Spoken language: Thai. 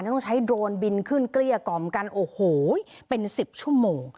ต้องใช้โดรนบินขึ้นเกลี้ยกล่อมกันโอ้โหเป็น๑๐ชั่วโมง